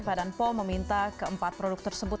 badan pom meminta keempat produk tersebut